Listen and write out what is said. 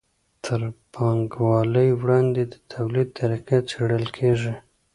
تر پانګوالۍ وړاندې د توليد طریقې څیړل کیږي.